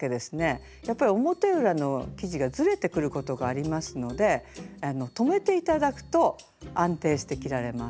やっぱり表裏の生地がずれてくることがありますので留めて頂くと安定して着られます。